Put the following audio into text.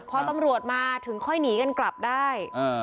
พอตำรวจมาถึงค่อยหนีกันกลับได้